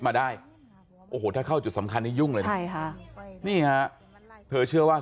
มาได้โอ้โหถ้าเข้าจุดสำคัญนี้ยุ่งเลยนะใช่ค่ะนี่ฮะเธอเชื่อว่า